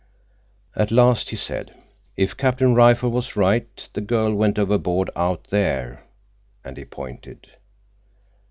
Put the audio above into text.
At last he said, "If Captain Rifle was right, the girl went overboard out there," and he pointed.